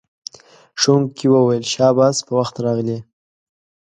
ښوونکی وویل شاباس په وخت راغلئ.